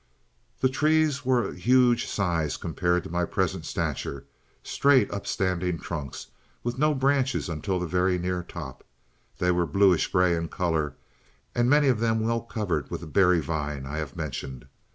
"The trees were of huge size compared to my present stature; straight, upstanding trunks, with no branches until very near the top. They were bluish gray in color, and many of them well covered with the berry vine I have mentioned.